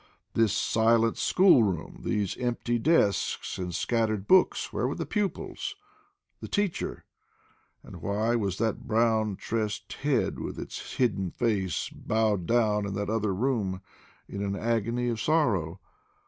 This silent school room! These empty desks and scattered books! Where were the pupils? the teacher? And why was that brown tressed head with its hidden face bowed down in that other room, in an agony of sorrow?